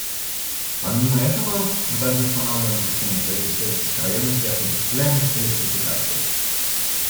Помимо этого, мы также устанавливаем системы связи в сельских районах и осуществляем их электрификацию.